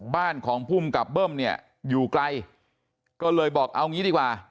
บ้านของภูมิกับเบิ้มเนี่ยอยู่ไกลก็เลยบอกเอางี้ดีกว่า